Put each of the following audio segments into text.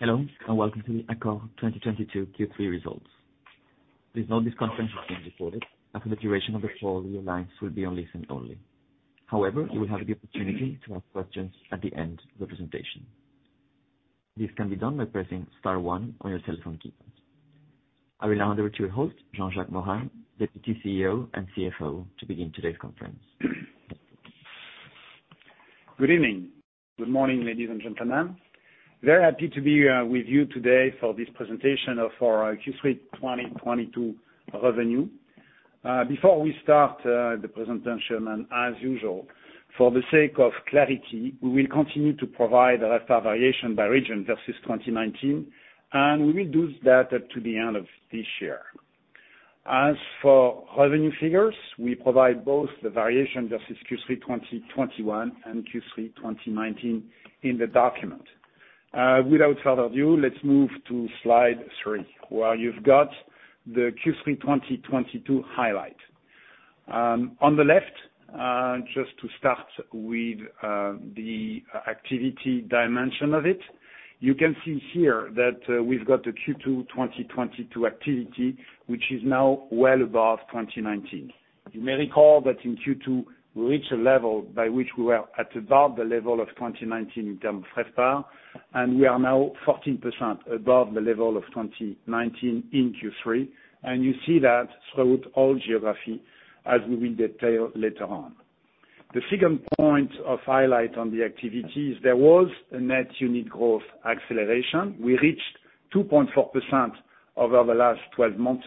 Hello, and welcome to Accor 2022 Q3 results. Please note this conference is being recorded. After the duration of the call, your lines will be on listen only. However, you will have the opportunity to ask questions at the end of the presentation. This can be done by pressing star one on your telephone keypad. I will now hand over to your host, Jean-Jacques Morin, Deputy CEO and CFO, to begin today's conference. Good evening. Good morning, ladies and gentlemen. Very happy to be with you today for this presentation of our Q3 2022 revenue. Before we start the presentation, and as usual, for the sake of clarity, we will continue to provide RevPAR variation by region versus 2019, and we will do that up to the end of this year. As for revenue figures, we provide both the variation versus Q3 2021 and Q3 2019 in the document. Without further ado, let's move to slide 3, where you've got the Q3 2022 highlight. On the left, just to start with, the activity dimension of it, you can see here that we've got the Q2 2022 activity, which is now well above 2019. You may recall that in Q2, we reached a level by which we were at about the level of 2019 in terms of RevPAR, and we are now 14% above the level of 2019 in Q3, and you see that throughout all geography as we will detail later on. The second point of highlight on the activity is there was a net unit growth acceleration. We reached 2.4% over the last 12 months,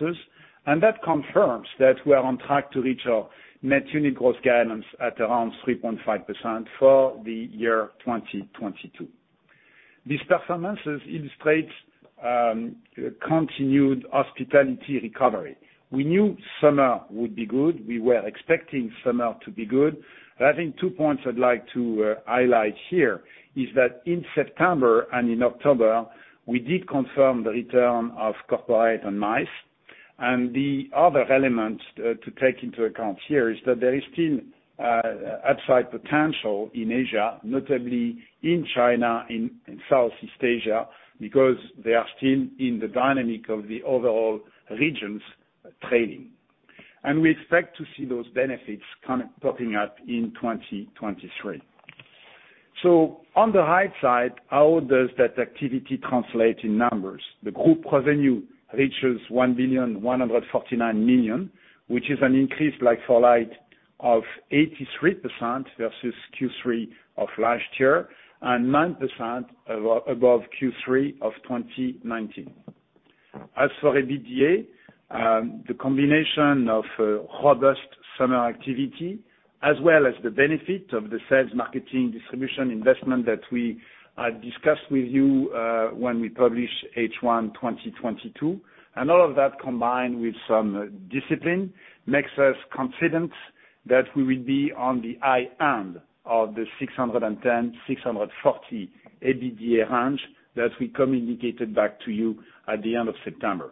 and that confirms that we are on track to reach our net unit growth guidance at around 3.5% for the year 2022. These performances illustrates continued hospitality recovery. We knew summer would be good. We were expecting summer to be good. I think two points I'd like to highlight here is that in September and in October, we did confirm the return of corporate and MICE, and the other elements to take into account here is that there is still upside potential in Asia, notably in China, in Southeast Asia, because they are still in the dynamic of the overall regions trading. We expect to see those benefits kind of popping up in 2023. On the high side, how does that activity translate in numbers? The group revenue reaches 1.149 billion, which is an increase like-for-like of 83% versus Q3 of last year, and 9% above Q3 of 2019. As for EBITDA, the combination of robust summer activity as well as the benefit of the sales, marketing, distribution, investment that we discussed with you when we published H1 2022, and all of that combined with some discipline makes us confident that we will be on the high end of the €610-€640 EBITDA range that we communicated back to you at the end of September.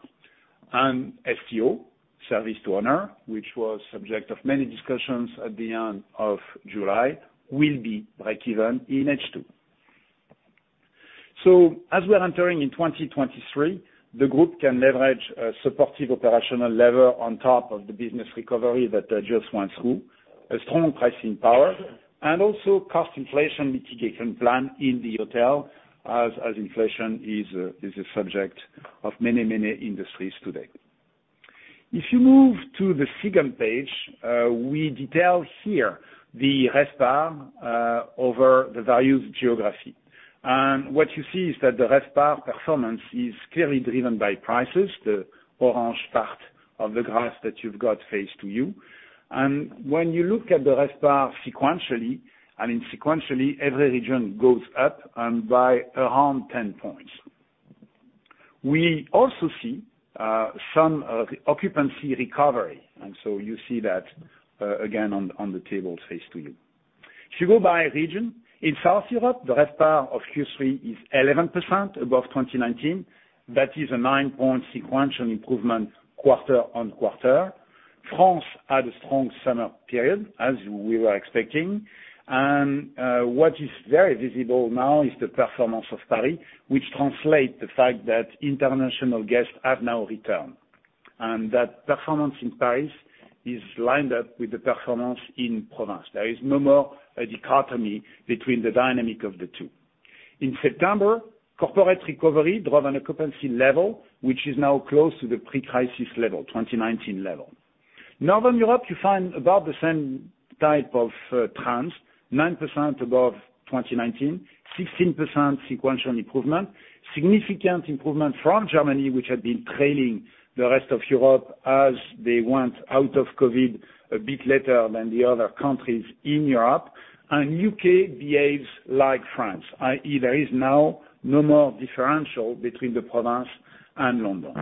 STO, service to owner, which was subject of many discussions at the end of July, will be breakeven in H2. as we are entering in 2023, the group can leverage a supportive operational lever on top of the business recovery that just went through, a strong pricing power, and also cost inflation mitigation plan in the hotel as inflation is a subject of many, many industries today. If you move to the second page, we detail here the RevPAR over the various geographies. What you see is that the RevPAR performance is clearly driven by prices, the orange part of the graphs that you have in front of you. When you look at the RevPAR sequentially, every region goes up by around 10 points. We also see some occupancy recovery, and so you see that again on the table in front of you. If you go by region, in Southern Europe, the RevPAR of Q3 is 11% above 2019. That is a 9-point sequential improvement quarter on quarter. France had a strong summer period, as we were expecting. What is very visible now is the performance of Paris, which translate the fact that international guests have now returned. That performance in Paris is lined up with the performance in provinces. There is no more a dichotomy between the dynamic of the two. In September, corporate recovery drove an occupancy level, which is now close to the pre-crisis level, 2019 level. Northern Europe, you find about the same type of trends, 9% above 2019, 16% sequential improvement, significant improvement from Germany, which had been trailing the rest of Europe as they went out of COVID a bit later than the other countries in Europe. U.K. behaves like France, i.e. there is now no more differential between the provinces and London.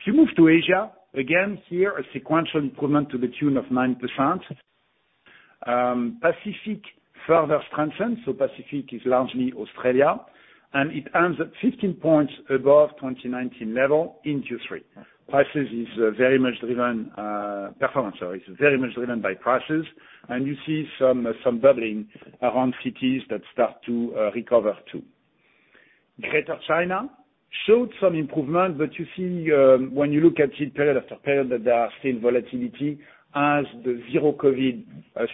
If you move to Asia, again here, a sequential improvement to the tune of 9%. Pacific further strengthen, so Pacific is largely Australia, and it ends at 15 points above 2019 level in Q3. Performance is very much driven by prices, and you see some bubbling around cities that start to recover too. Greater China showed some improvement, but you see, when you look at it period after period that there are still volatility as the zero-COVID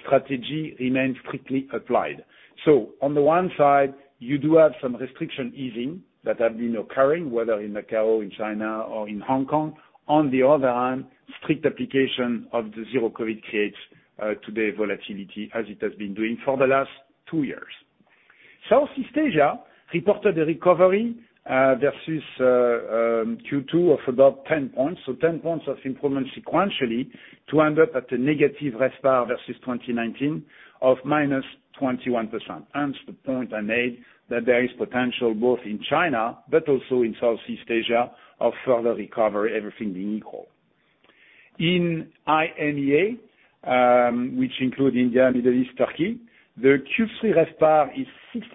strategy remains strictly applied. On the one side, you do have some restriction easing that have been occurring, whether in Macau, in China, or in Hong Kong. On the other hand, strict application of the zero-COVID creates today volatility as it has been doing for the last two years. Southeast Asia reported a recovery versus Q2 of about 10 points. So 10 points of improvement sequentially to end up at a negative RevPAR versus 2019 of -21%. Hence the point I made that there is potential both in China but also in Southeast Asia of further recovery, everything being equal. In IMEA, which include India, Middle East, Turkey, the Q3 RevPAR is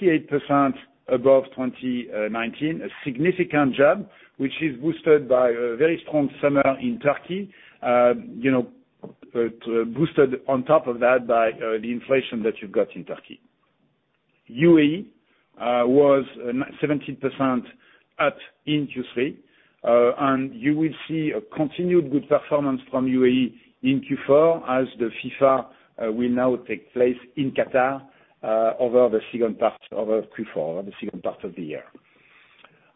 68% above 2019, a significant jump, which is boosted by a very strong summer in Turkey. You know, boosted on top of that by the inflation that you've got in Turkey. UAE was 17% in Q3. You will see a continued good performance from UAE in Q4 as the FIFA will now take place in Qatar over the second part of Q4, the second part of the year.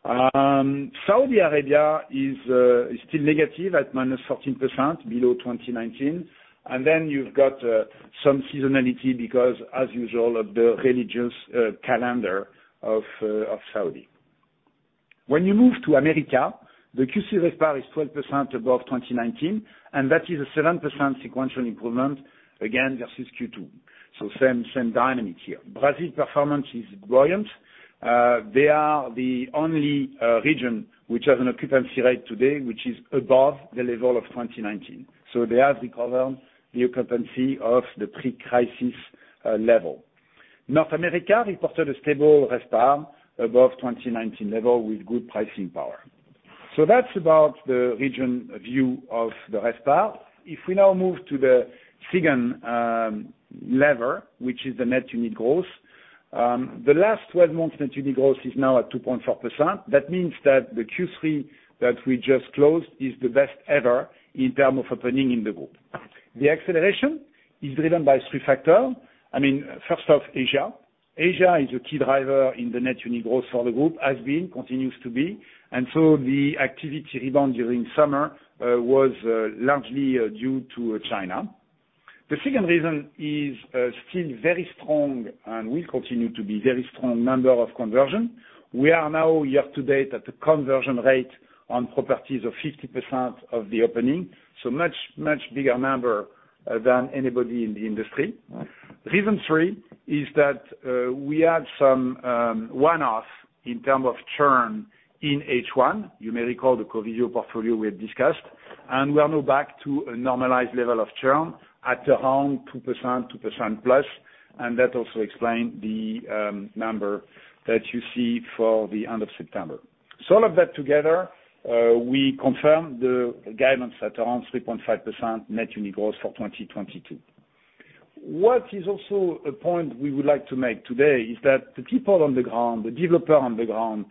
Saudi Arabia is still negative at -14% below 2019. You've got some seasonality because, as usual, of the religious calendar of Saudi. When you move to America, the Q3 RevPAR is 12% above 2019, and that is a 7% sequential improvement again versus Q2, so same dynamic here. Brazil performance is buoyant. They are the only region which has an occupancy rate today, which is above the level of 2019. So they have recovered the occupancy of the pre-crisis level. North America reported a stable RevPAR above 2019 level with good pricing power. So that's about the region view of the RevPAR. If we now move to the second lever, which is the net unit growth, the last twelve months net unit growth is now at 2.4%. That means that the Q3 that we just closed is the best ever in terms of opening in the group. The acceleration is driven by three factors. I mean, first off, Asia. Asia is a key driver in the net unit growth for the group, has been, continues to be. The activity rebound during summer was largely due to China. The second reason is still very strong and will continue to be very strong, number of conversions. We are now year to date at a conversion rate on properties of 50% of the opening, so much, much bigger number than anybody in the industry. Reason three is that we had some one-offs in terms of churn in H1. You may recall the zero-COVID portfolio we had discussed. We are now back to a normalized level of churn at around 2%, 2%+, and that also explain the number that you see for the end of September. All of that together, we confirm the guidance at around 3.5% net unit growth for 2022. What is also a point we would like to make today is that the people on the ground, the developer on the ground,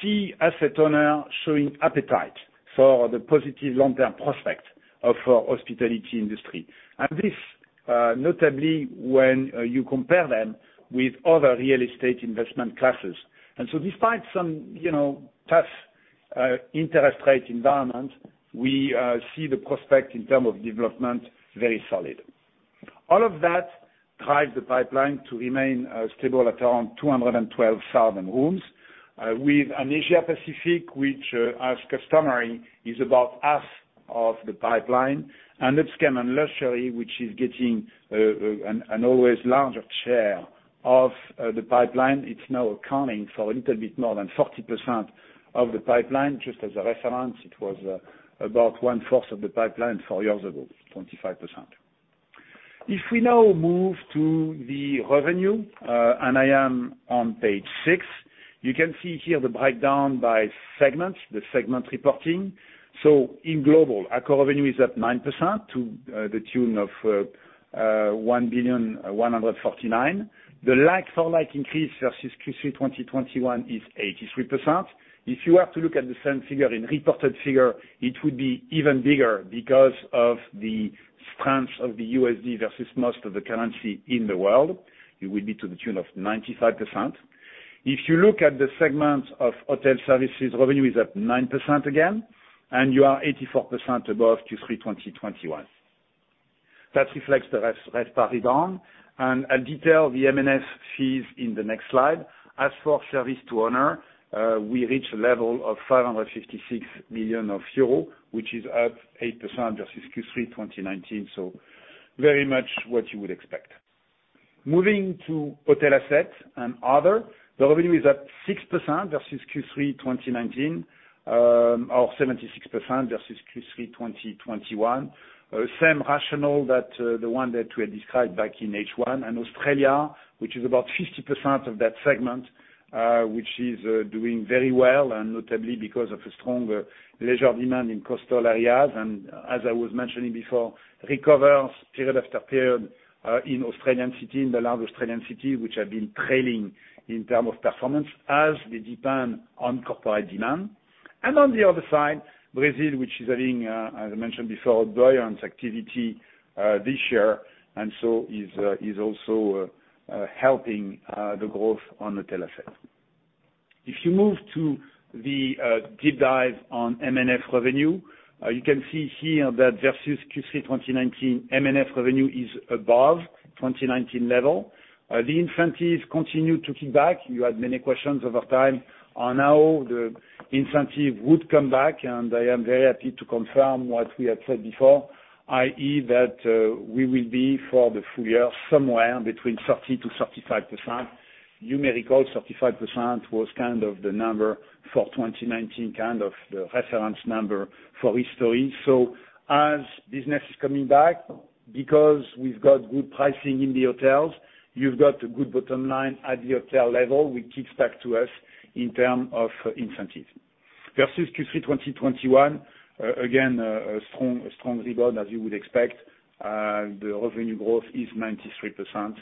see asset owner showing appetite for the positive long-term prospect of hospitality industry. This notably when you compare them with other real estate investment classes. Despite some tough interest rate environment, we see the prospect in term of development very solid. All of that drives the pipeline to remain stable at around 212,000 rooms, with an Asia Pacific, which, as customary, is about half of the pipeline. Upscale and Luxury, which is getting an always larger share of the pipeline, it's now accounting for a little bit more than 40% of the pipeline. Just as a reference, it was about one-fourth of the pipeline four years ago, 25%. If we now move to the revenue, and I am on page 6, you can see here the breakdown by segments, the segment reporting. In total, Accor revenue is at 9% to the tune of 1.149 billion. The like-for-like increase versus Q3 2021 is 83%. If you have to look at the same figure in reported figure, it would be even bigger because of the strength of the USD versus most of the currency in the world. It would be to the tune of 95%. If you look at the segment of Hotel Services, revenue is at 9% again, and you are 84% above Q3 2021. That reflects the RevPAR down. I'll detail the M&F fees in the next slide. As for Services to Owners, we reached a level of 556 million euro, which is up 8% versus Q3 2019, so very much what you would expect. Moving to Hotel Assets & Other, the revenue is at 6% versus Q3 2019, or 76% versus Q3 2021. Same rationale that the one that we had described back in H1. Australia, which is about 50% of that segment, which is doing very well, and notably because of a strong leisure demand in coastal areas. As I was mentioning before, recovers period after period in the large Australian cities, which have been trailing in terms of performance as they depend on corporate demand. On the other side, Brazil, which is having, as I mentioned before, buoyant activity this year and so is also helping the growth on the telesales. If you move to the deep dive on M&F revenue, you can see here that versus Q3 2019, M&F revenue is above 2019 level. The incentives continue to keep back. You had many questions over time on how the incentive would come back, and I am very happy to confirm what we had said before, i.e., that, we will be, for the full year, somewhere between 30%-35%. You may recall 35% was kind of the number for 2019, kind of the reference number for history. As business is coming back, because we've got good pricing in the hotels, you've got a good bottom line at the hotel level, which kicks back to us in terms of incentives. Versus Q3 2021, a strong rebound, as you would expect. The revenue growth is 93%,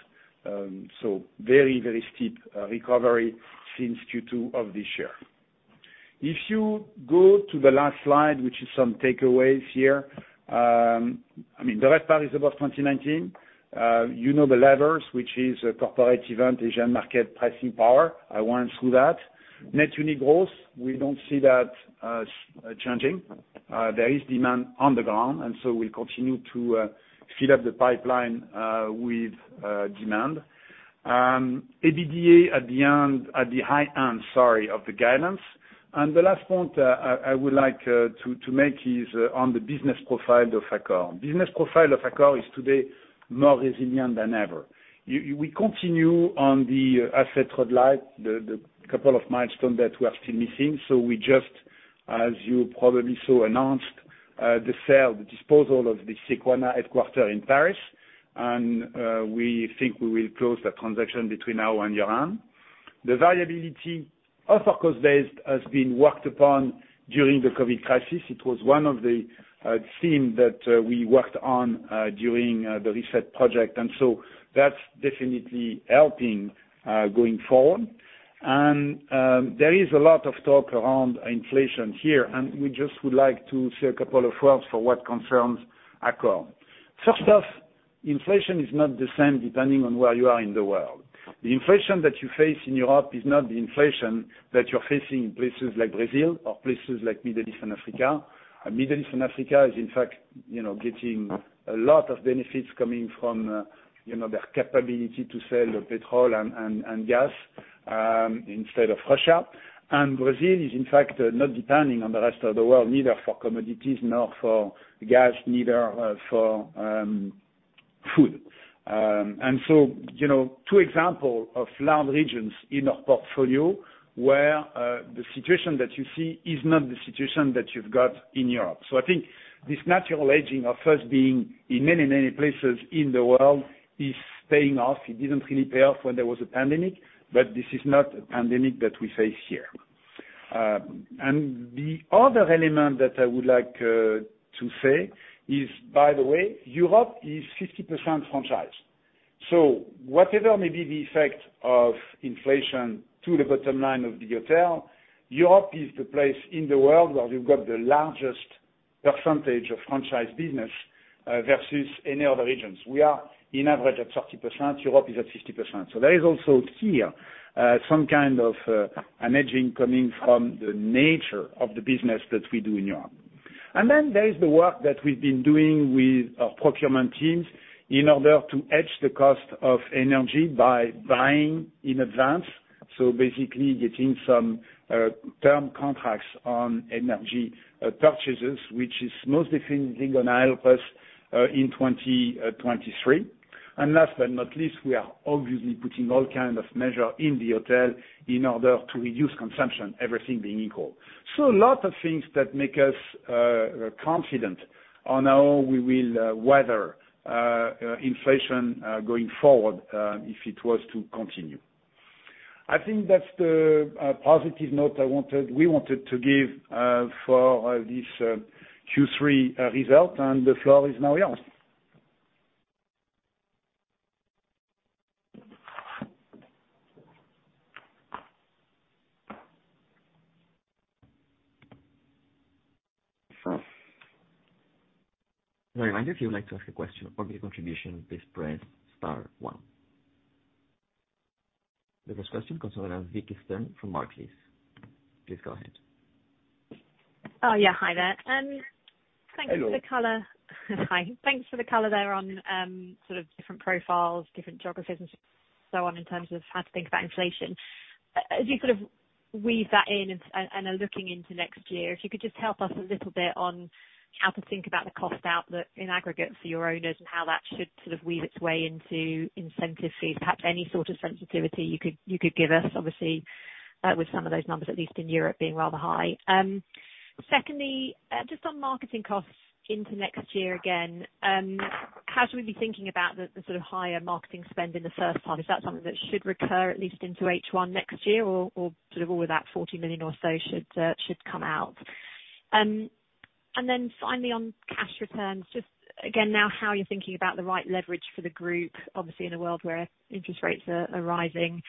so very steep recovery since Q2 of this year. If you go to the last slide, which is some takeaways here, I mean, the left part is about 2019. You know, the levers, which is a corporate event, Asian market pricing power. I won't go through that. Net unit growth, we don't see that changing. There is demand on the ground, and so we continue to fill up the pipeline with demand. EBITDA at the high end, sorry, of the guidance. The last point I would like to make is on the business profile of Accor. Business profile of Accor is today more resilient than ever. We continue on the asset-light, the couple of milestones that we are still missing. We just, as you probably saw, announced the sale, the disposal of the Sequana headquarters in Paris and we think we will close that transaction between now and year-end. The viability of our cost base has been worked upon during the COVID crisis. It was one of the theme that we worked on during the reset project, and so that's definitely helping going forward. There is a lot of talk around inflation here, and we just would like to say a couple of words for what concerns Accor. First off, inflation is not the same depending on where you are in the world. The inflation that you face in Europe is not the inflation that you're facing in places like Brazil or places like Middle East and Africa. Middle East and Africa is in fact, you know, getting a lot of benefits coming from you know, their capability to sell the petrol and gas instead of Russia. Brazil is in fact not depending on the rest of the world, neither for commodities nor for gas, neither for food. You know, two examples of large regions in our portfolio where the situation that you see is not the situation that you've got in Europe. I think this natural advantage of being in many, many places in the world is paying off. It didn't really pay off when there was a pandemic, but this is not a pandemic that we face here. The other element that I would like to say is, by the way, Europe is 50% franchise. Whatever may be the effect of inflation to the bottom line of the hotel, Europe is the place in the world where you've got the largest percentage of franchise business versus any other regions. We are on average at 30%, Europe is at 50%. There is also here some kind of an easing coming from the nature of the business that we do in Europe. Then there is the work that we've been doing with our procurement teams in order to hedge the cost of energy by buying in advance, so basically getting some term contracts on energy purchases, which is most definitely gonna help us in 2023. Last but not least, we are obviously putting all kinds of measures in the hotels in order to reduce consumption, everything being equal. Lots of things that make us confident on how we will weather inflation going forward if it was to continue. I think that's the positive note I wanted, we wanted to give for this Q3 result. The floor is now yours. A reminder, if you would like to ask a question or give contribution, please press star one. The first question comes from Vicki Stern from Barclays. Please go ahead. Oh, yeah. Hi there. Thanks for the color. Hello. Hi. Thanks for the color there on sort of different profiles, different geographies and so on, in terms of how to think about inflation. As you sort of weave that in and are looking into next year, if you could just help us a little bit on how to think about the cost outlook in aggregate for your owners and how that should sort of weave its way into incentive fees, perhaps any sort of sensitivity you could give us, obviously with some of those numbers, at least in Europe, being rather high. Secondly, just on marketing costs into next year again, how should we be thinking about the sort of higher marketing spend in the first half? Is that something that should recur at least into H1 next year or sort of all of that 40 million or so should come out? Finally on cash returns, just again, now how you're thinking about the right leverage for the group, obviously in a world where interest rates are rising.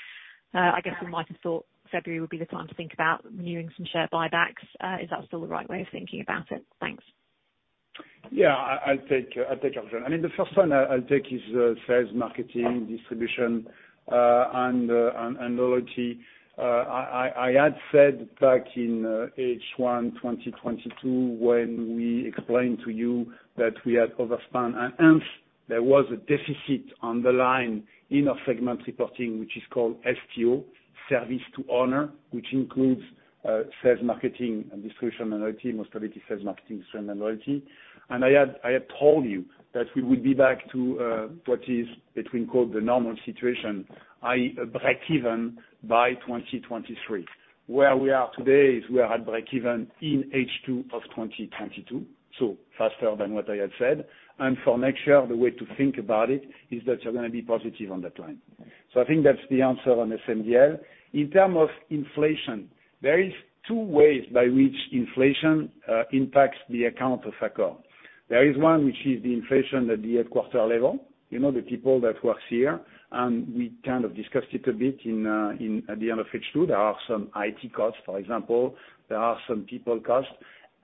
I guess we might have thought February would be the time to think about renewing some share buybacks. Is that still the right way of thinking about it? Thanks. Yeah. I'll take. Yeah. I mean, the first one I'll take is sales, marketing, distribution, and loyalty. I had said back in H1 2022 when we explained to you that we had overspent and hence there was a deficit on the line in our segment reporting, which is called STO, Services to Owners, which includes sales, marketing and distribution and loyalty, most of it is sales, marketing and loyalty. I had told you that we would be back to, in quotes, the normal situation, i.e., breakeven by 2023. Where we are today is we are at breakeven in H2 of 2022, so faster than what I had said. For next year, the way to think about it is that you're gonna be positive on that line. I think that's the answer on SM&L. In terms of inflation, there is two ways by which inflation impacts the activities of Accor. There is one which is the inflation at the headquarters level. You know, the people that works here, and we kind of discussed it a bit in at the end of H2. There are some IT costs, for example. There are some people costs.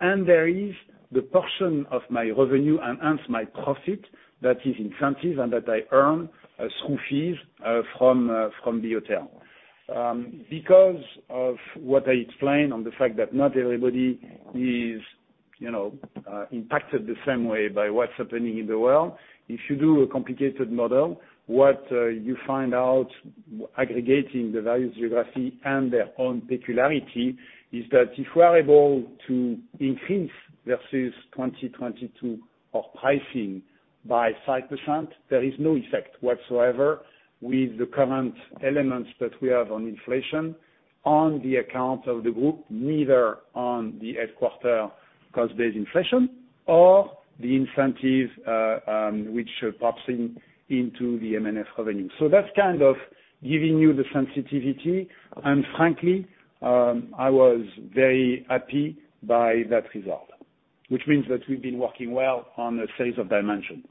There is the portion of my revenue and hence my profit that is incentive and that I earn as scope fees from the hotel. Because of what I explained on the fact that not everybody is, you know, impacted the same way by what's happening in the world, if you do a complicated model, you find out aggregating the various geography and their own particularity is that if we're able to increase versus 2022 of pricing by 5%, there is no effect whatsoever with the current elements that we have on inflation on the account of the group, neither on the headquarters cost base inflation or the incentive, which pops into the M&F revenue. That's kind of giving you the sensitivity, and frankly, I was very happy by that result, which means that we've been working well on the sales dimension.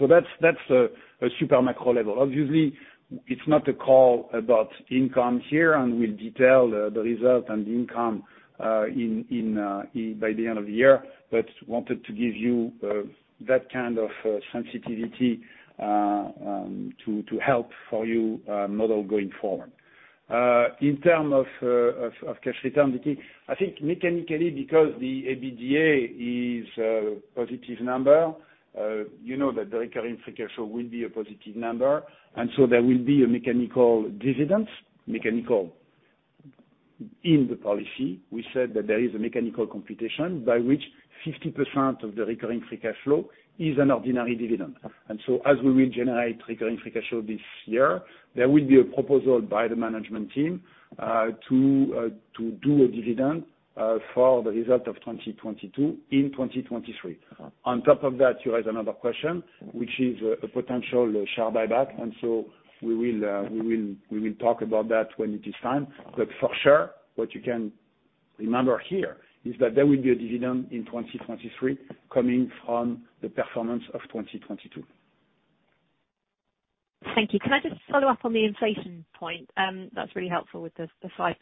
That's a super macro level. Obviously it's not a call about income here, and we'll detail the result and the income in by the end of the year. Wanted to give you that kind of sensitivity to help you model going forward. In terms of cash return, I think mechanically because the EBITDA is a positive number, you know that the recurring free cash flow will be a positive number. There will be a mechanical dividend, mechanical in the policy. We said that there is a mechanical computation by which 50% of the recurring free cash flow is an ordinary dividend. As we regenerate recurring free cash flow this year, there will be a proposal by the management team to do a dividend for the result of 2022 in 2023. On top of that, you raise another question, which is a potential share buyback, and so we will talk about that when it is time. For sure, what you can remember here is that there will be a dividend in 2023 coming from the performance of 2022. Thank you. Can I just follow up on the inflation point? That's really helpful with the 5%.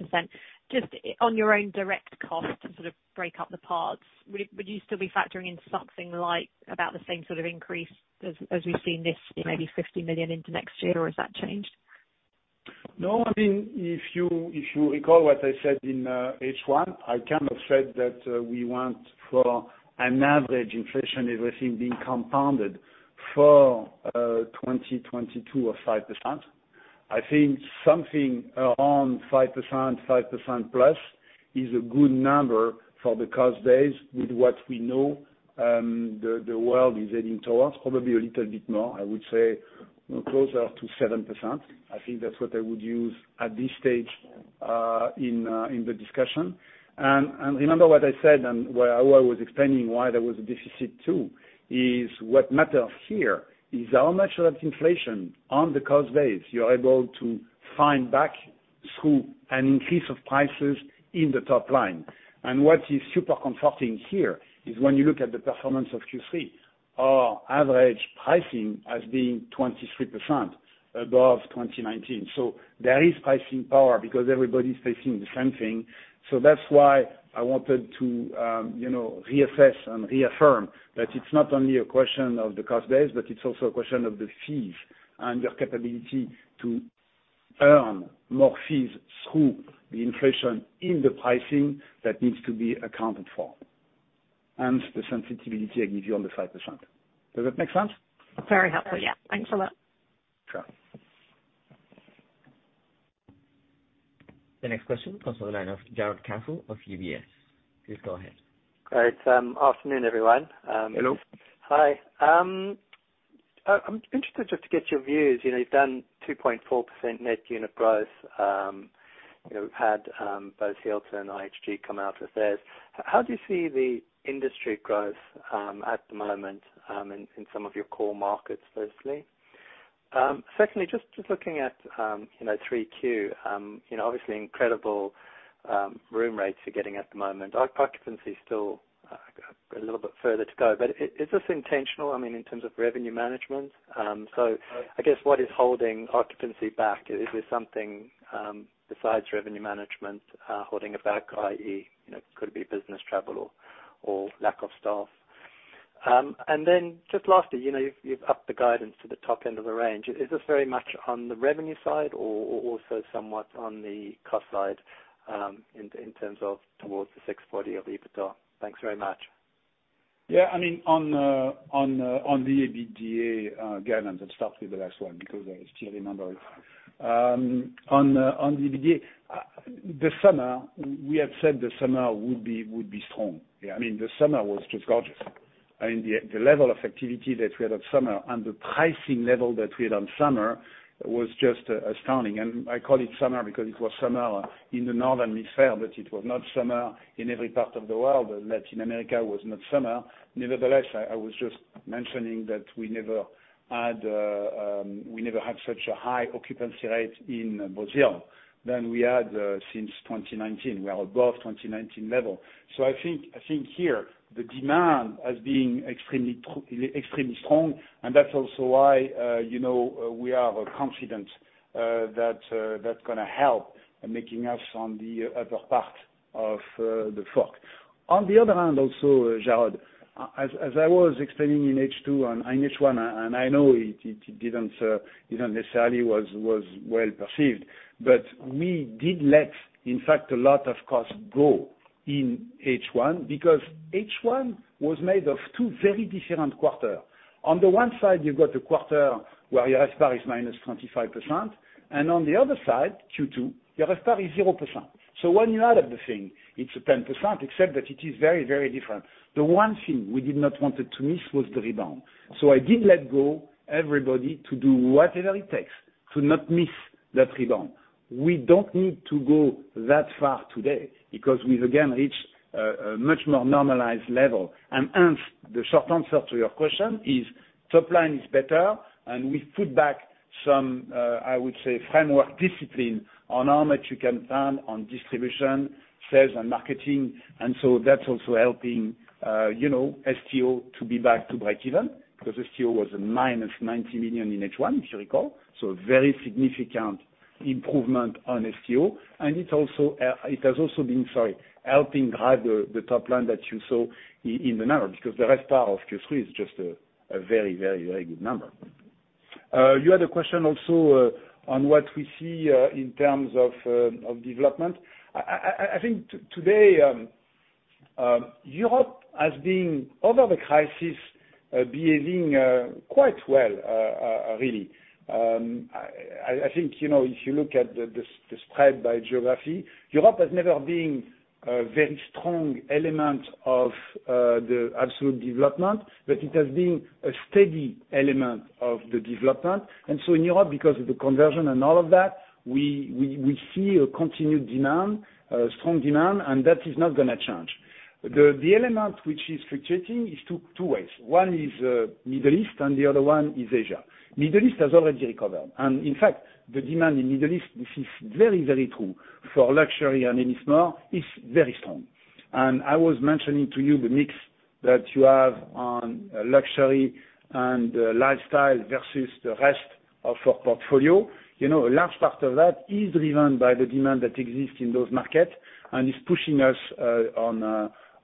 Just on your own direct costs to sort of break up the parts, would you still be factoring in something like about the same sort of increase as we've seen this year, maybe 50 million into next year, or has that changed? No. I mean, if you recall what I said in H1, I kind of said that we want for an average inflation, everything being compounded for 2022 of 5%. I think something around 5%, 5%+ is a good number for the cost base with what we know, the world is heading towards. Probably a little bit more, I would say, you know, closer to 7%. I think that's what I would use at this stage in the discussion. Remember what I said and where I was explaining why there was a deficit too, is what matters here is how much of that inflation on the cost base you're able to find back through an increase of prices in the top line. What is super comforting here is when you look at the performance of Q3, our average pricing as being 23% above 2019. There is pricing power because everybody's facing the same thing. That's why I wanted to, you know, reassess and reaffirm that it's not only a question of the cost base, but it's also a question of the fees and your capability to earn more fees through the inflation in the pricing that needs to be accounted for, hence the sensitivity I give you on the 5%. Does that make sense? Very helpful. Yeah. Thanks a lot. Sure. The next question comes on the line of Jarrod Castle of UBS. Please go ahead. Good afternoon, everyone. Hello. Hi. I'm interested just to get your views. You know, you've done 2.4% net unit growth. You know, we've had both Hilton and IHG come out with theirs. How do you see the industry growth at the moment in some of your core markets, firstly? Secondly, just looking at 3Q, you know, obviously incredible room rates you're getting at the moment. Our occupancy is still a little bit further to go. But is this intentional, I mean, in terms of revenue management? So I guess what is holding occupancy back? Is something besides revenue management holding it back, i.e., you know, could it be business travel or lack of staff? Just lastly, you know, you've upped the guidance to the top end of the range. Is this very much on the revenue side or also somewhat on the cost side, in terms of towards the 640 million of EBITDA? Thanks very much. Yeah. I mean, on the EBITDA guidance, let's start with the last one because I still remember it. On EBITDA, the summer, we had said the summer would be strong. Yeah, I mean, the summer was just gorgeous. I mean, the level of activity that we had at summer and the pricing level that we had on summer was just astounding. I call it summer because it was summer in the northern hemisphere, but it was not summer in every part of the world, and Latin America was not summer. Nevertheless, I was just mentioning that we never had such a high occupancy rate in Brazil than we had since 2019. We are above 2019 level. I think here the demand has been extremely strong, and that's also why we are confident that that's gonna help in making us on the upper part of the floor. On the other hand, Jarrod, as I was explaining in H2 and in H1, and I know it isn't necessarily well perceived, but we did let, in fact, a lot of costs go in H1 because H1 was made of two very different quarters. On the one side, you've got a quarter where your RevPAR is -25%, and on the other side, Q2, your RevPAR is 0%. When you add up the thing, it's a 10%, except that it is very, very different. The one thing we did not want to miss was the rebound. I did let everybody go to do whatever it takes to not miss that rebound. We don't need to go that far today because we've again reached a much more normalized level. The short answer to your question is top line is better, and we put back some, I would say framework discipline on how much you can spend on distribution, sales, and marketing. That's also helping, you know, STO to be back to breakeven because STO was -90 million in H1, if you recall. Very significant improvement on STO. It's also it has also been, sorry, helping drive the top line that you saw in the numbers because the best part of Q3 is just a very good number. You had a question also on what we see in terms of development. I think today Europe as being over the crisis behaving quite well really. I think you know if you look at the spread by geography Europe has never been a very strong element of the absolute development but it has been a steady element of the development. In Europe because of the conversion and all of that we see a continued demand a strong demand and that is not gonna change. The element which is fluctuating is two ways. One is Middle East and the other one is Asia. Middle East has already recovered. In fact, the demand in the Middle East, this is very, very true for luxury and upscale, is very strong. I was mentioning to you the mix that you have on luxury and lifestyle versus the rest of our portfolio. You know, a large part of that is driven by the demand that exists in those markets and is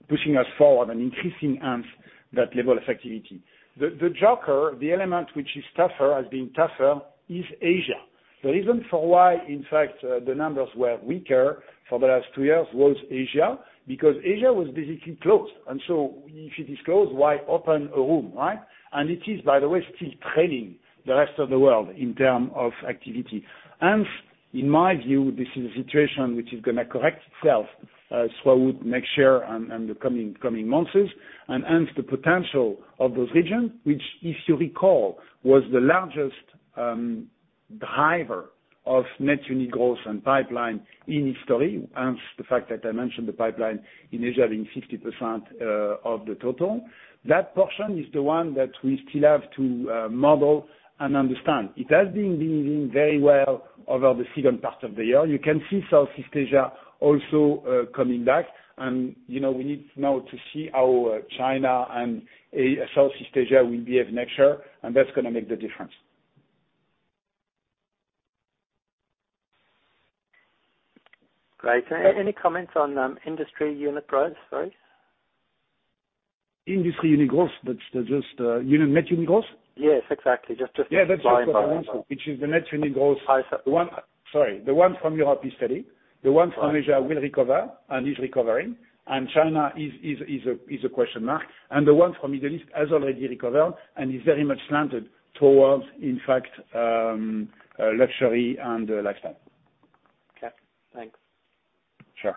pushing us forward and increasing hence that level of activity. The joker, the element which is tougher, has been tougher is Asia. The reason for why, in fact, the numbers were weaker for the last two years was Asia, because Asia was basically closed. If it is closed, why open a room, right? It is, by the way, still trailing the rest of the world in terms of activity. Hence, in my view, this is a situation which is gonna correct itself, so I would make sure on the coming months and hence the potential of those regions, which if you recall, was the largest driver of net unit growth and pipeline in history, hence the fact that I mentioned the pipeline in Asia being 60% of the total. That portion is the one that we still have to model and understand. It has been behaving very well over the second part of the year. You can see Southeast Asia also coming back and, you know, we need now to see how China and Southeast Asia will behave next year, and that's gonna make the difference. Great. Any comments on industry unit price? Sorry. Industry unit growth. That's just net unit growth? Yes, exactly. Yeah, that's just what I want, which is the net unit growth. I s- The one from Europe is steady. The one from Asia will recover and is recovering. China is a question mark. The one from Middle East has already recovered and is very much slanted towards, in fact, luxury and lifestyle. Okay. Thanks. Sure.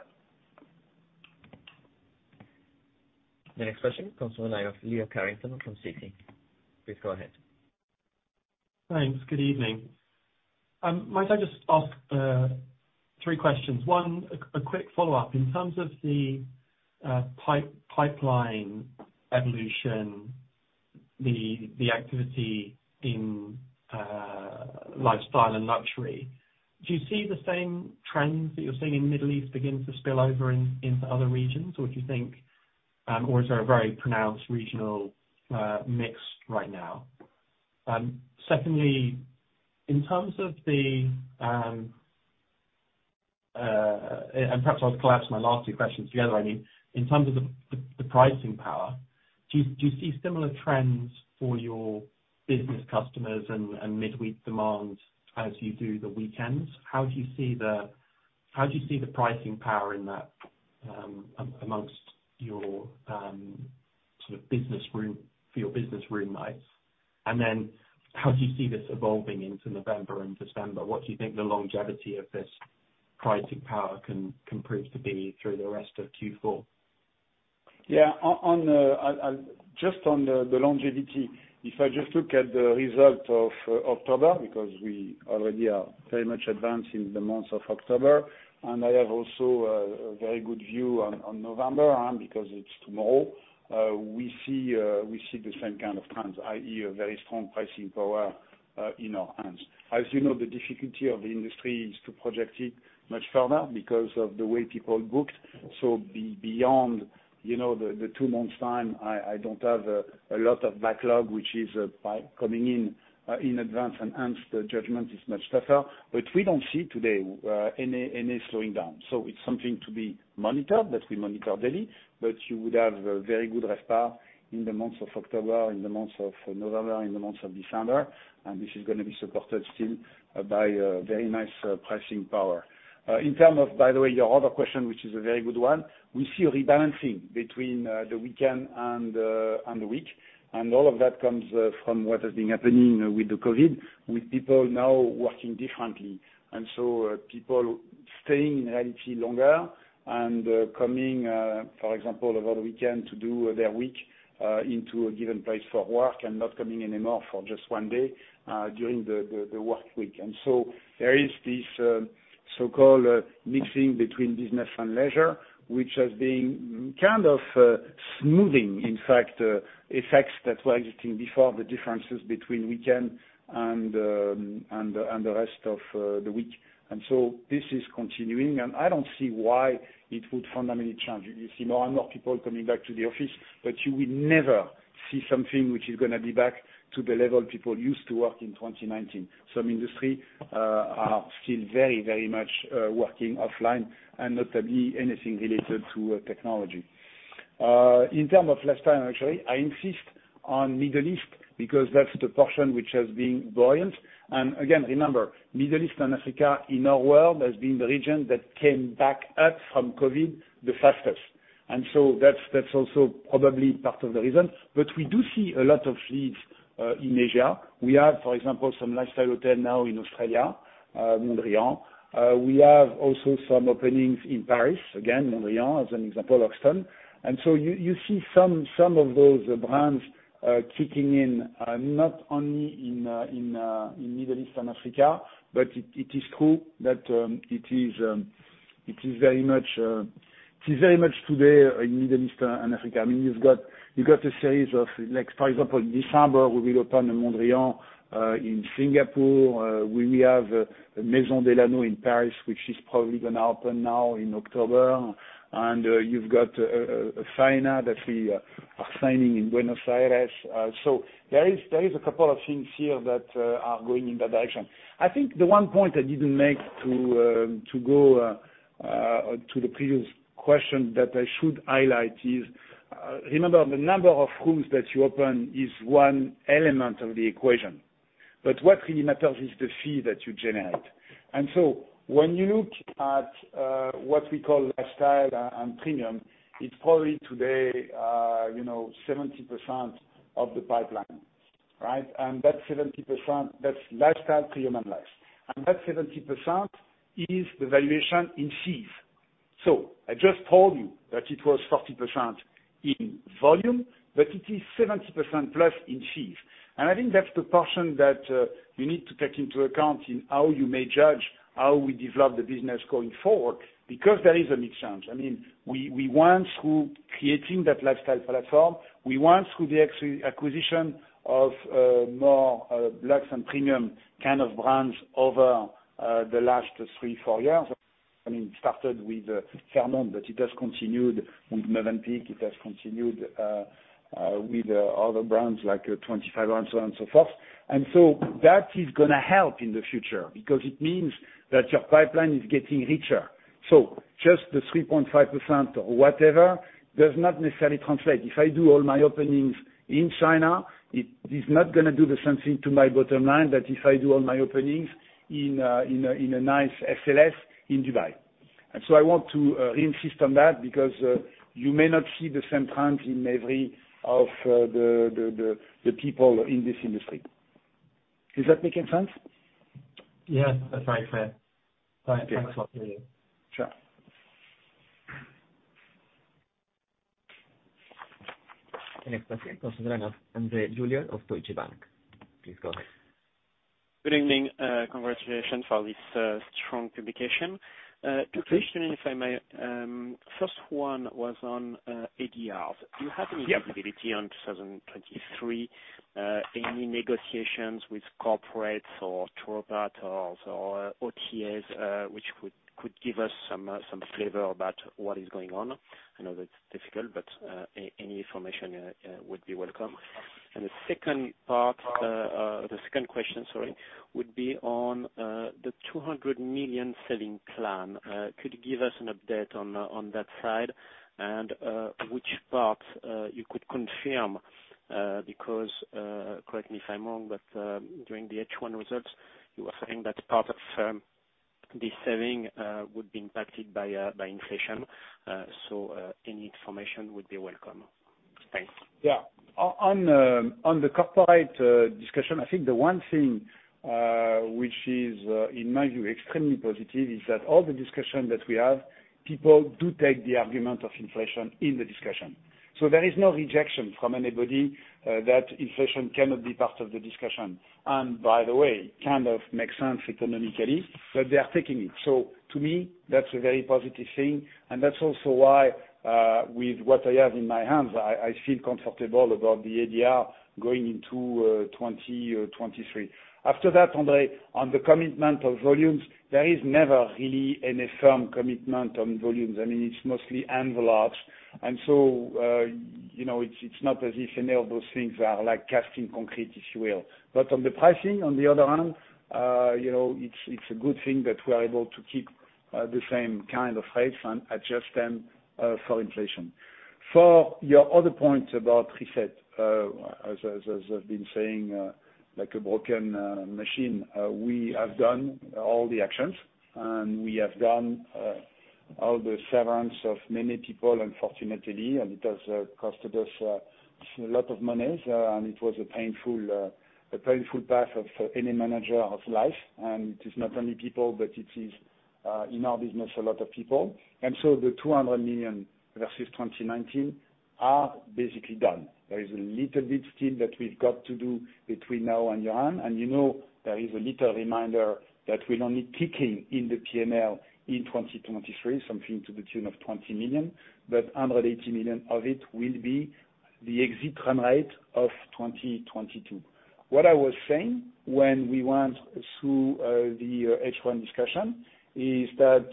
The next question comes from the line of Leo Carrington from Citi. Please go ahead. Thanks. Good evening. Might I just ask three questions? One, a quick follow-up. In terms of the pipeline evolution, the activity in lifestyle and luxury, do you see the same trends that you're seeing in Middle East begin to spill over into other regions? Or do you think or is there a very pronounced regional mix right now? Secondly, in terms of the and perhaps I'll collapse my last two questions together. I mean, in terms of the pricing power, do you see similar trends for your business customers and midweek demand as you do the weekends? How do you see the pricing power in that amongst your sort of business room for your business room nights? How do you see this evolving into November and December? What do you think the longevity of this pricing power can prove to be through the rest of Q4? Yeah. On the longevity, if I just look at the result of October, because we already are very much advanced in the months of October, and I have also a very good view on November and because it's tomorrow, we see the same kind of trends, i.e., a very strong pricing power in our hands. As you know, the difficulty of the industry is to project it much further because of the way people booked. Beyond, you know, the two months' time, I don't have a lot of backlog, which is by coming in in advance and hence the judgment is much tougher. We don't see today any slowing down. It's something to be monitored, that we monitor daily. You would have a very good RevPAR in the months of October, in the months of November, in the months of December, and this is gonna be supported still by a very nice pricing power. In terms of, by the way, your other question, which is a very good one, we see a rebalancing between the weekend and the week. All of that comes from what has been happening with the COVID, with people now working differently. People staying in reality longer and coming, for example, over the weekend to do their work in a given place for work and not coming anymore for just one day during the work week. There is this so-called mixing between business and leisure, which has been kind of smoothing, in fact, effects that were existing before, the differences between weekend and the rest of the week. This is continuing, and I don't see why it would fundamentally change. You see more and more people coming back to the office, but you will never see something which is gonna be back to the level people used to work in 2019. Some industry are still very, very much working offline and not only anything related to technology. In terms of lifestyle and luxury, I insist on Middle East because that's the portion which has been buoyant. Again, remember, Middle East and Africa in our world has been the region that came back up from COVID the fastest. That's also probably part of the reason. We do see a lot of leads in Asia. We have, for example, some lifestyle hotel now in Australia, Mondrian. We have also some openings in Paris, again, Mondrian as an example, Hoxton. You see some of those brands kicking in, not only in Middle East and Africa, but it is true that it is very much today in Middle East and Africa. I mean, you've got a series of, like, for example, December, we will open a Mondrian in Singapore. We have Maison Delano in Paris, which is probably gonna open now in October. You've got Faena that we are signing in Buenos Aires. There is a couple of things here that are going in that direction. I think the one point I didn't make to the previous question that I should highlight is, remember the number of rooms that you open is one element of the equation. What really matters is the fee that you generate. When you look at what we call lifestyle and premium, it's probably today, you know, 70% of the pipeline, right? That 70%, that's lifestyle, premium, and luxe. That 70% is the valuation in fees. I just told you that it was 40% in volume, but it is 70%+ in fees. I think that's the portion that you need to take into account in how you may judge how we develop the business going forward because there is a mix change. I mean, we went through creating that lifestyle platform. We went through the acquisition of more luxe and premium kind of brands over the last three or four years. I mean, it started with Fairmont, but it has continued with Mövenpick. It has continued with other brands like 25 hours, so on and so forth. That is gonna help in the future because it means that your pipeline is getting richer. Just the 3.5% or whatever does not necessarily translate. If I do all my openings in China, it is not gonna do the same thing to my bottom line that if I do all my openings in a nice SLS in Dubai. I want to insist on that because you may not see the same trends in every of the people in this industry. Is that making sense? Yeah. That's very clear. Okay. All right. Thanks a lot. Sure. The next question comes from André Juillard of Deutsche Bank. Please go ahead. Good evening. Congratulations for this strong publication. Thank you. Two questions, if I may. First one was on ADR. Do you have? Yeah. Any visibility on 2023, any negotiations with corporates or tour operators or OTAs, which could give us some flavor about what is going on? I know that's difficult, but any information would be welcome. The second part, the second question, sorry, would be on the 200 million savings plan. Could you give us an update on that side, and which parts you could confirm, because, correct me if I'm wrong, but during the H1 results, you were saying that part of the savings would be impacted by inflation. Any information would be welcome. Thanks. Yeah. On the corporate discussion, I think the one thing which is in my view extremely positive is that all the discussion that we have, people do take the argument of inflation in the discussion. There is no rejection from anybody that inflation cannot be part of the discussion. By the way, kind of makes sense economically, but they are taking it. To me, that's a very positive thing, and that's also why with what I have in my hands, I feel comfortable about the ADR going into 2023. After that, André Julliard, on the commitment of volumes, there is never really any firm commitment on volumes. I mean, it's mostly envelopes. You know, it's not as if any of those things are like cast in concrete, if you will. On the pricing, on the other hand, you know, it's a good thing that we're able to keep the same kind of rates and adjust them for inflation. For your other points about reset, as I've been saying, like a broken machine, we have done all the actions. We have done all the severance of many people, unfortunately. It has costed us a lot of monies. It was a painful path of any manager of life. It is not only people, but it is in our business, a lot of people. The 200 million versus 2019 are basically done. There is a little bit still that we've got to do between now and year-end. You know, there is a little reminder that we're only kicking in the P&L in 2023, something to the tune of 20 million, but 180 million of it will be the exit run rate of 2022. What I was saying when we went through the H1 discussion is that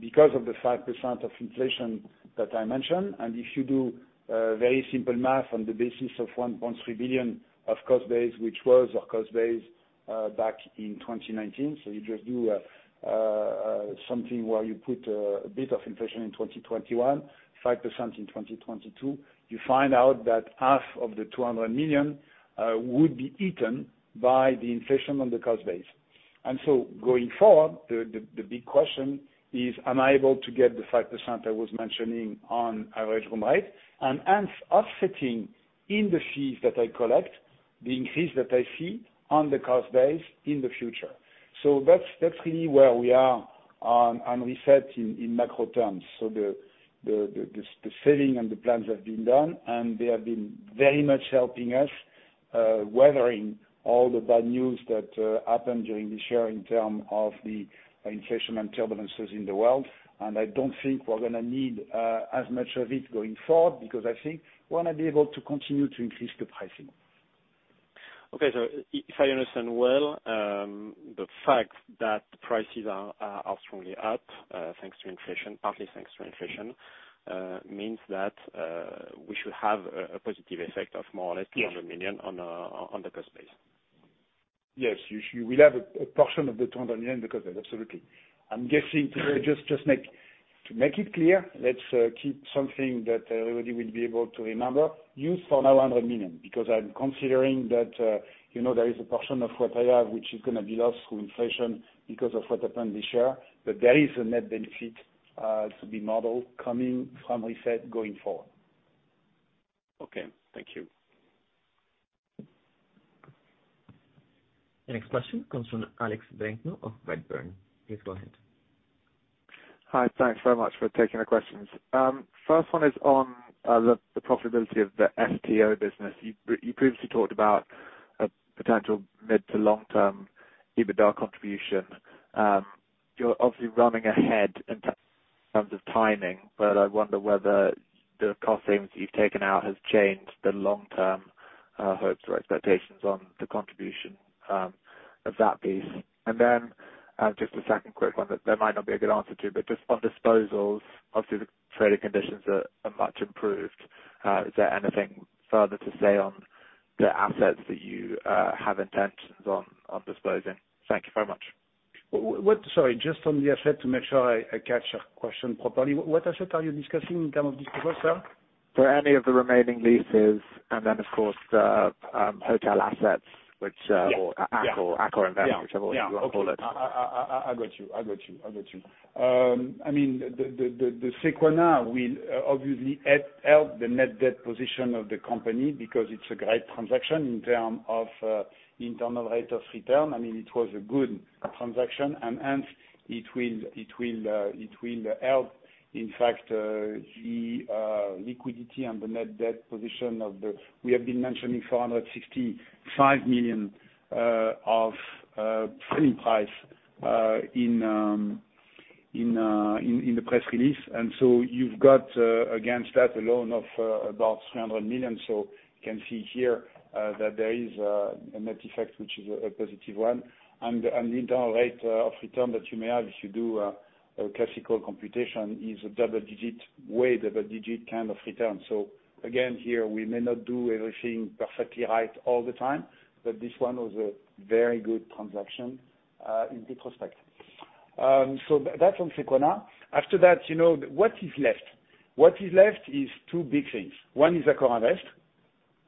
because of the 5% of inflation that I mentioned, and if you do very simple math on the basis of 1.3 billion of cost base, which was our cost base back in 2019. You just do something where you put a bit of inflation in 2021, 5% in 2022, you find out that half of the 200 million would be eaten by the inflation on the cost base. Going forward, the big question is, am I able to get the 5% I was mentioning on average run rate, and hence offsetting in the fees that I collect, the increase that I see on the cost base in the future. That's really where we are on reset in macro terms. The saving and the plans have been done, and they have been very much helping us weathering all the bad news that happened during this year in terms of the inflation and turbulences in the world. I don't think we're gonna need as much of it going forward, because I think we're gonna be able to continue to increase the pricing. Okay. If I understand well, the fact that prices are strongly up, thanks to inflation, partly thanks to inflation, means that we should have a positive effect of more or less. Yes. 200 million on the cost base. Yes. You will have a portion of the 200 million because of that, absolutely. I'm guessing to just make it clear, let's keep something that everybody will be able to remember. Use for now 100 million, because I'm considering that, you know, there is a portion of what I have which is gonna be lost through inflation because of what happened this year. There is a net benefit to be modeled coming from reset going forward. Okay. Thank you. The next question comes from Alex Brignall of Redburn. Please go ahead. Hi. Thanks very much for taking the questions. First one is on the profitability of the STO business. You previously talked about a potential mid to long term EBITDA contribution. You're obviously running ahead in terms of timing, but I wonder whether the cost savings you've taken out has changed the long-term hopes or expectations on the contribution of that piece. Just a second quick one that there might not be a good answer to, but just on disposals, obviously, the trading conditions are much improved. Is there anything further to say on the assets that you have intentions on disposing? Thank you very much. Sorry. Just on the asset to make sure I catch your question properly. What asset are you discussing in terms of disposals, sir? For any of the remaining leases, and then of course the hotel assets which, Yeah. Accor and Van- Yeah. which I've always called it. Yeah. I got you. I mean, the Sequana will obviously help the net debt position of the company because it's a great transaction in term of internal rate of return. I mean, it was a good transaction, and hence it will help. In fact, the liquidity and the net debt position of the company. We have been mentioning 465 million of selling price in the press release. You've got against that a loan of about 300 million. You can see here that there is a net effect which is a positive one. The internal rate of return that you may have if you do a classical computation is a double-digit kind of return. Again, here we may not do everything perfectly right all the time, but this one was a very good transaction in retrospect. That's on Sequana. After that, you know, what is left? What is left is two big things. One is AccorInvest.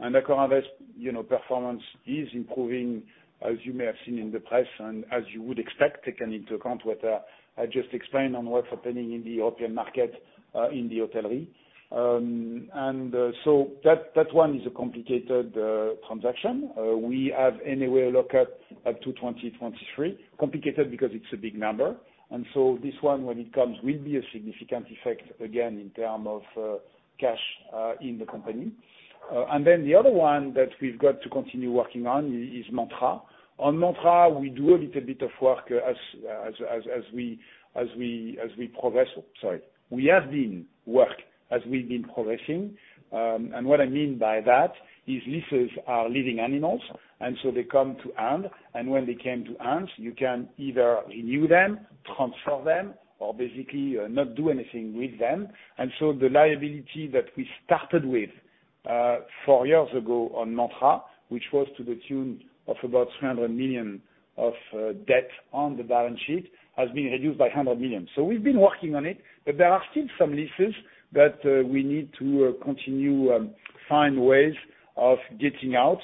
AccorInvest, you know, performance is improving, as you may have seen in the press, and as you would expect, taking into account what I just explained on what's happening in the European market in the hotelry. That one is a complicated transaction. We are looking at up to 2023. Complicated because it's a big number. This one, when it comes, will be a significant effect again in terms of cash in the company. The other one that we've got to continue working on is Mantra. On Mantra we do a little bit of work as we progress. Sorry. We have been working as we've been progressing. What I mean by that is leases are living animals, so they come to end. When they come to end, you can either renew them, transfer them, or basically not do anything with them. The liability that we started with four years ago on Mantra, which was to the tune of about 300 million of debt on the balance sheet, has been reduced by 100 million. We've been working on it, but there are still some leases that we need to continue to find ways of getting out.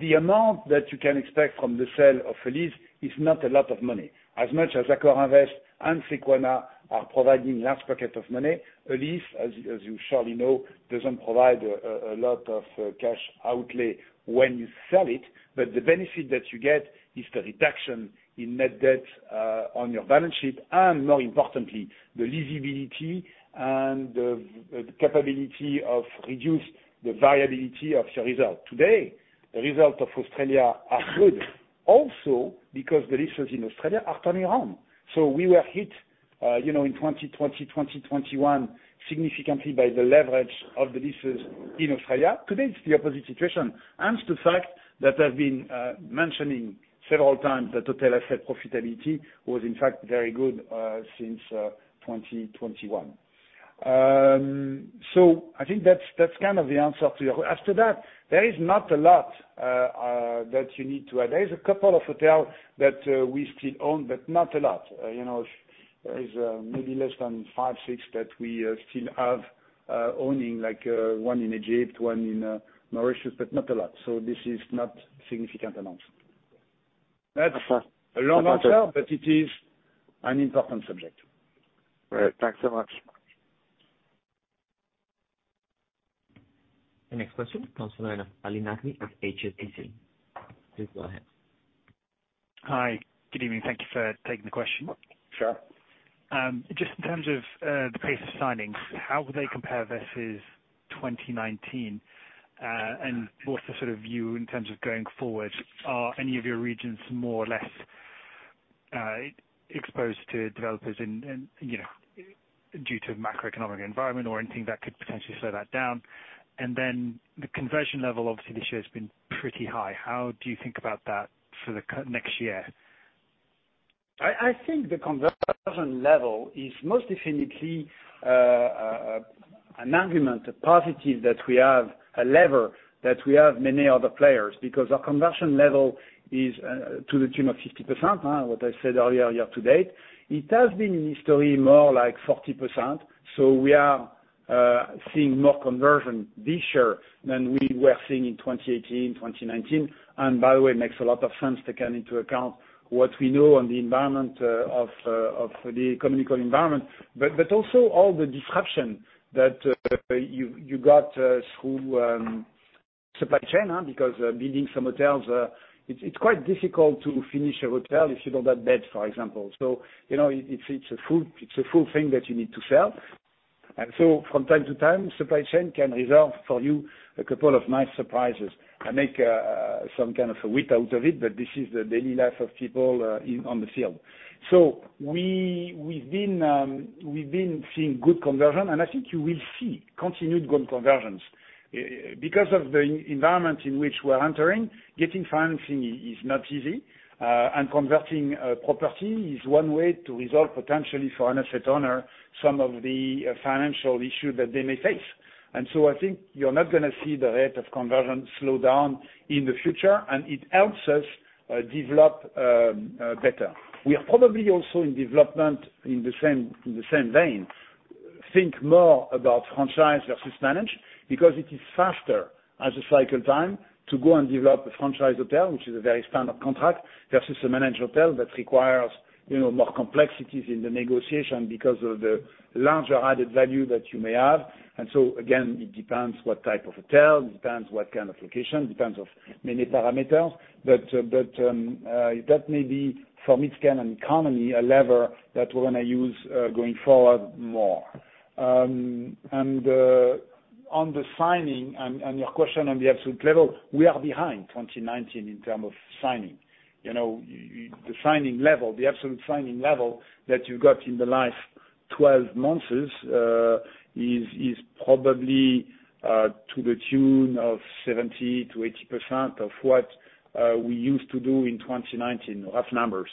The amount that you can expect from the sale of a lease is not a lot of money. As much as AccorInvest and Sequana are providing large pocket of money, a lease, as you surely know, doesn't provide a lot of cash outlay when you sell it. But the benefit that you get is the reduction in net debt on your balance sheet, and more importantly, the lease liability and the volatility of your results. Today, the results in Australia are good also because the leases in Australia are turning around. We were hit, you know, in 2020, 2021, significantly by the leverage of the leases in Australia. Today it's the opposite situation. Hence the fact that I've been mentioning several times that hotel asset profitability was in fact very good since 2021. I think that's kind of the answer to your question. After that, there is not a lot that you need to add. There is a couple of hotels that we still own, but not a lot. You know, it's maybe less than five, six that we still own, like one in Egypt, one in Mauritius, but not a lot. This is not significant amounts. That's a long answer, but it is an important subject. Great. Thanks so much. The next question comes from Jaafar Mestari of HSBC. Please go ahead. Hi. Good evening. Thank you for taking the question. Sure. Just in terms of the pace of signings, how would they compare versus 2019? What's the sort of view in terms of going forward? Are any of your regions more or less exposed to developers in you know due to macroeconomic environment or anything that could potentially slow that down? Then the conversion level, obviously this year has been pretty high. How do you think about that for next year? I think the conversion level is most definitely an argument, a positive that we have, a lever that we have over many other players. Because our conversion level is to the tune of 50%, what I said earlier, year to date. It has been historically more like 40%, so we are seeing more conversion this year than we were seeing in 2018, 2019. By the way, makes a lot of sense, taking into account what we know on the environment of the economic environment, but also all the disruption that you got through the supply chain, because building some hotels, it's quite difficult to finish a hotel if you don't have beds, for example. You know, it's a full thing that you need to sell. From time to time, supply chain can serve for you a couple of nice surprises. I make some kind of a wit out of it, but this is the daily life of people in the field. We've been seeing good conversion, and I think you will see continued good conversions. Because of the environment in which we're entering, getting financing is not easy. And converting property is one way to resolve potentially for an asset owner some of the financial issue that they may face. I think you're not gonna see the rate of conversion slow down in the future, and it helps us develop better. We are probably also in development in the same vein, think more about franchise versus manage, because it is faster as a cycle time to go and develop a franchise hotel, which is a very standard contract, versus a managed hotel that requires, you know, more complexities in the negotiation because of the larger added value that you may have. Again, it depends what type of hotel, it depends what kind of location, it depends on many parameters. That may be a lever that we can and commonly use going forward more. On the signing and your question on the absolute level, we are behind 2019 in terms of signing. You know, the signing level, the absolute signing level that you got in the last 12 months, is probably to the tune of 70%-80% of what we used to do in 2019, rough numbers.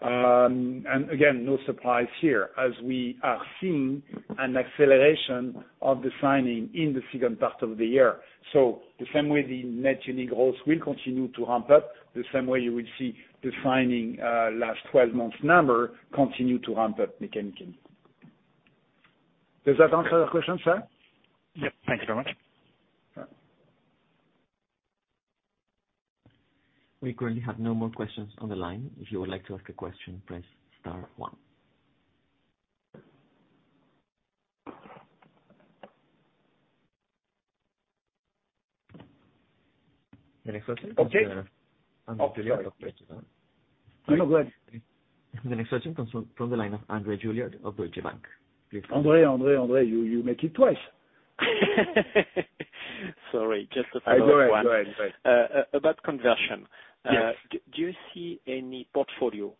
Again, no surprise here as we are seeing an acceleration of the signing in the second part of the year. The same way the net unit growth will continue to ramp up, the same way you will see the signing last 12 months number continue to ramp up mechanically. Does that answer your question, sir? Yep, thank you very much. Sure. We currently have no more questions on the line. If you would like to ask a question, press star one. The next question. Okay. From- I'm sorry. No, go ahead. The next question comes from the line of Andre Juillard of Deutsche Bank. Andre, you make it twice. Sorry, just a follow-up one. Go ahead. About conversion. Yes. Do you see any portfolio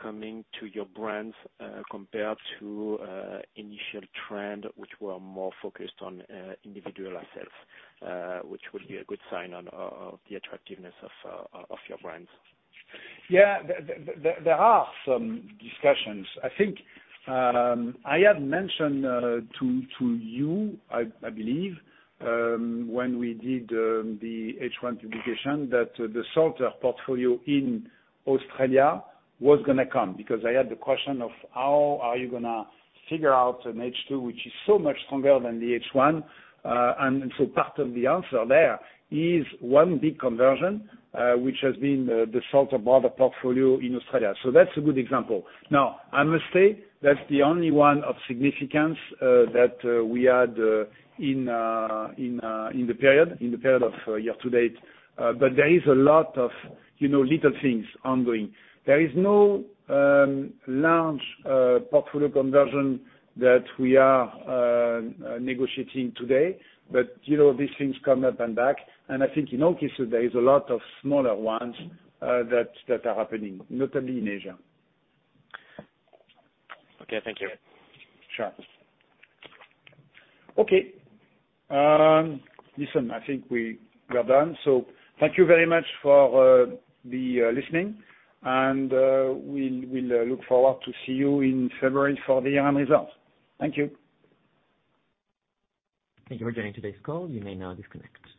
coming to your brands, compared to initial trend, which were more focused on individual assets, which would be a good sign of the attractiveness of your brands? There are some discussions. I think I had mentioned to you, I believe, when we did the H1 publication, that the Mantra portfolio in Australia was gonna come. Because I had the question of how are you gonna figure out an H2 which is so much stronger than the H1. Part of the answer there is one big conversion, which has been the Mantra broader portfolio in Australia. That's a good example. Now, I must say that's the only one of significance that we had in the period year to date. There is a lot of you know little things ongoing. There is no large portfolio conversion that we are negotiating today. You know, these things come up and back, and I think in our case there is a lot of smaller ones, that are happening, notably in Asia. Okay, thank you. Sure. Okay, listen, I think we are done. Thank you very much for the listening, and we'll look forward to see you in February for the annual results. Thank you. Thank you for joining today's call. You may now disconnect.